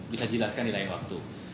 bisa dijelaskan di lain waktu